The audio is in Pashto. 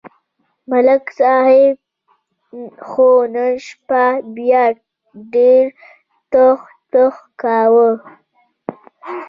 ملک صاحب خو نن شپه بیا ډېر ټوخ ټوخ کاوه